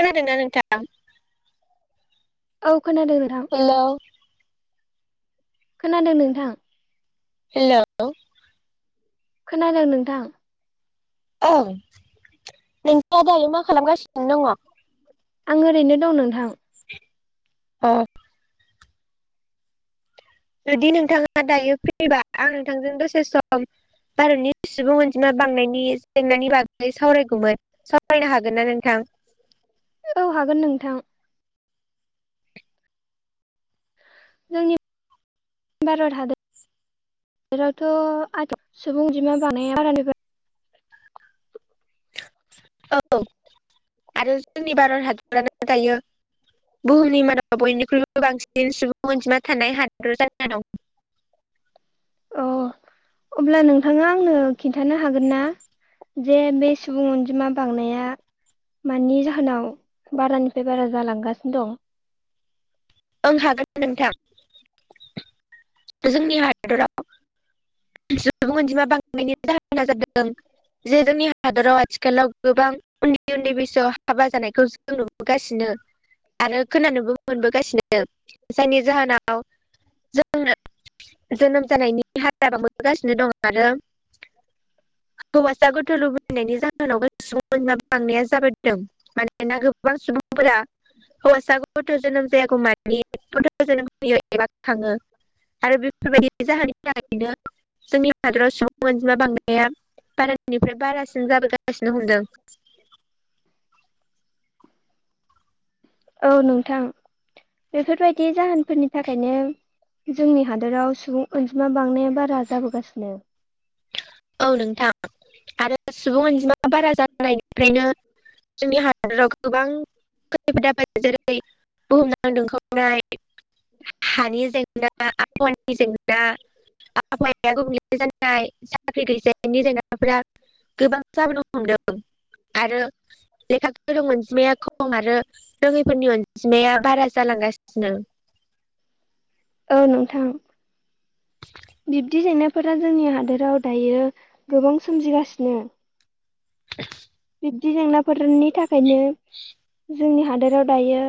खोनादोंना नोंथां औ खोनादों नोंथां हेलौ खोनादों नोंथां हेलौ खोनादों नोंथां औओ नोंथाङा आदायो मा खालामगासिनो दंङ आं ओरैनो दं नोंथां अ जुदि नोंथाङा दायो फ्रिबा आं नोंथांजों दसे सम भारतनि सुबुं अनजिमा बांनायनि जेंनानि बागै सावरायगौमोन सावरायनो हागोन ना नोंथां औ हागोन नोंथां जोंनि [unintelligible] भारत हादर [unintelligible] हादोरावथ आ सुबुंजमा बानाया आरानिफ्राय [unintelligible] औ [unintelligible] आरो जोंनि भारत हादरानो दायो बुहुमनि मानाव बयनिख्रुइबो बांसिन सुबुं अनजिमा थानाय हादर जानो दं अ अब्ला नोंथाङा आंनो खिन्थानो हागोन ना जे बे सुबुं अनजिमा बांनाया मानि जाहोनाव बारानिफ्राय बारा जालांगासिनो दं। ओं हागोन नोंथां जोंनि हादराव। सुबुं अनजिमा बांनायनि जाहोना जादों जे जोंनि हादराव आथिखालाव गोबां उन्दै उन्दै बैसोआव हाबा जानायखौ जों नुबोगासिनो आरो खोनानोबो मोनबोगासिनो जायनि जाहोनाव जों जोनोम जानायनि। जाबांबोगासिनो दं आरो हौवासा गोथौ लुबैनायनि जाहोनावमाब बांनाया जाबोदों। मानोना गोबां। हौवासा गथ जोनोम जायागौ मानि गथ जोनोम होयो एबा थाङो आरो बेफोरबायदि जाहोननि थाखाय। जोंनि हादराव सिाव अनजिमा बांद्राया बारानिफ्राय बारासिन जाबोगासिनो हमदों। [inaudible] औ नोंथां बेफोरबायदि जाहोनफोरनि थाखायनो जोंनि हादोराव सुबुं अनजिमा बांनाया बारा जाबोगासिनो। औ नोंथां आरो सुबुं अनजिमा बारा जानायनिफ्रायनो जोंनि हादराव गोबां खैैफोदा जेरै बुहुमना दोनखावनाय हानि जेंना आबहावानि जेंना आबहावाया ज। साख्रि गैजायनि जेंनाफोरा गोबां जाबोनो हमदों आरो लेखा गोरों अनजिमाया खम आरो रोङैफोरनि अनजिमाया बारा जालांगासिनो। औ नोंथां बिब्दि जेंनाफोरा जोंनि हादोराव दायो गोबां सोमजिगासिनो दि जेंनाफोरनि थाखायनो जोंनि हादोराव दायो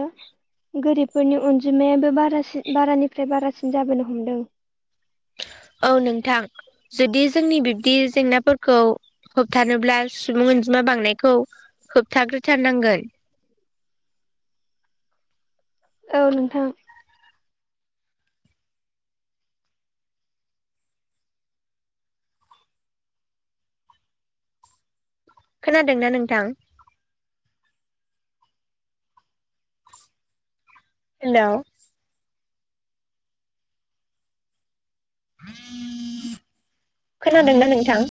गोरिबफोरनि अनजिमायाबो बारासिन बारानिफ्राय बारासिन जाबोनो हमदों औ नोंथां जुदि जोंनि बिब्दि जेंनाफोरखौ होबथानोब्ला सुबुं अनजिमा बांनायखौ होबथाग्रोथारनांगोन। औ नोंथां। खोनादोंना नोंथां। हेल'। खोनादोंना नोंथां।